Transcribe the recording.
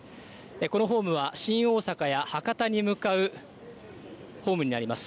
このホームは新大阪や博多に向かうホームになります。